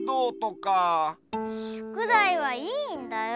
しゅくだいはいいんだよ。